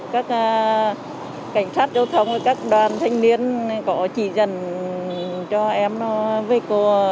các cảnh sát giao thông các đoàn thanh niên có chỉ dần cho em với cô